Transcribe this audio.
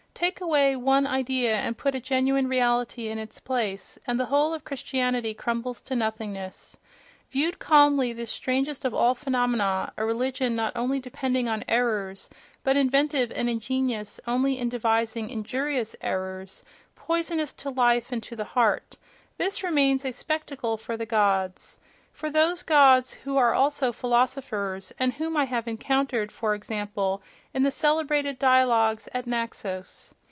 Take away one idea and put a genuine reality in its place—and the whole of Christianity crumbles to nothingness!—Viewed calmly, this strangest of all phenomena, a religion not only depending on errors, but inventive and ingenious only in devising injurious errors, poisonous to life and to the heart—this remains a spectacle for the gods—for those gods who are also philosophers, and whom I have encountered, for example, in the celebrated dialogues at Naxos.